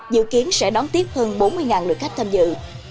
dự kiến sẽ đón tiếp hơn bốn mươi lượt khách tham dự